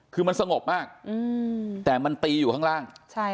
คือมันสงบมากแต่มันตีอยู่ข้างล่าง